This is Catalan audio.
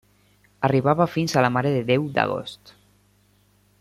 Arribava fins a la Mare de Déu d'agost.